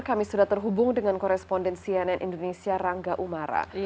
kami sudah terhubung dengan koresponden cnn indonesia rangga umara